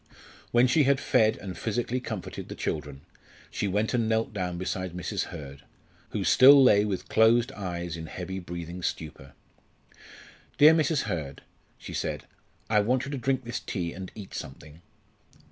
When she had fed and physically comforted the children, she went and knelt down beside Mrs. Hurd, who still lay with closed eyes in heavy breathing stupor. "Dear Mrs. Hurd," she said, "I want you to drink this tea and eat something."